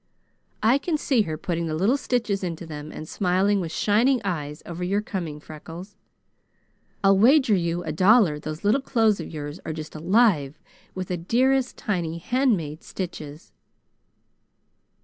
I can see her putting the little stitches into them and smiling with shining eyes over your coming. Freckles, I'll wager you a dollar those little clothes of yours are just alive with the dearest, tiny handmade stitches."